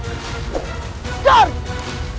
ini dari maha